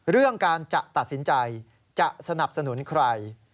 เรื่องการจะตัดสินใจจะสนับสนุนใคร